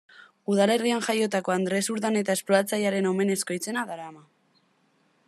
Udalerrian jaiotako Andres Urdaneta esploratzailearen omenezko izena darama.